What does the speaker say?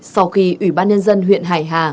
sau khi ubnz huyện hải hà